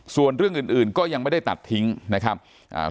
ส่วนเรื่องอื่นอื่นก็ยังไม่ได้ตัดทิ้งนะครับอ่า